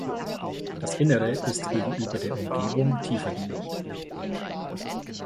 Das Innere ist gegenüber der Umgebung tiefergelegt.